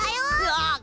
あっ！